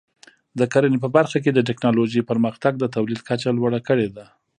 د کرنې په برخه کې د ټکنالوژۍ پرمختګ د تولید کچه لوړه کړې ده.